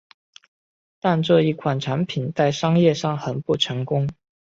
但这一款产品在商业上很不成功。